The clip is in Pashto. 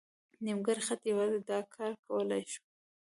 نیمګړی خط یوازې دا کار کولی شو.